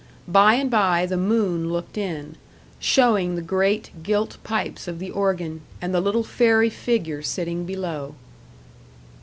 By and by the moon looked in, showing the great gilt pipes of the organ, and the little fairy figure sitting below.